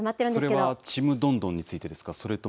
それはちむどんどんについてですか？